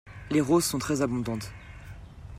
Les roses sont très abondantes.